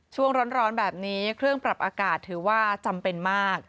ช่วงร้อนแบบนี้เครื่องปรับอากาศถือว่าจำเป็นมาก